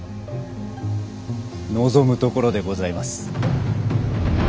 望むところでございます。